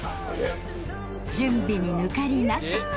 準備に抜かりなし。